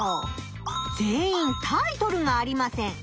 全員タイトルがありません。